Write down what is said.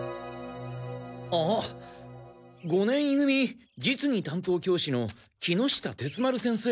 あっ五年い組実技担当教師の木下鉄丸先生？